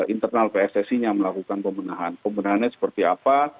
internal pssi nya melakukan pemenahan pemenahannya seperti apa